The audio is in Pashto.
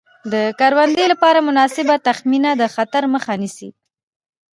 د کروندې لپاره مناسبه تخمینه د خطر مخه نیسي.